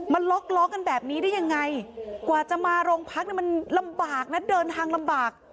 มันล็อกล้อกันแบบนี้ได้ยังไงกว่าจะมาโรงพักเนี่ยมันลำบากนะเดินทางลำบาก